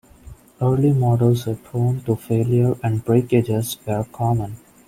Early models were prone to failure and breakages were common.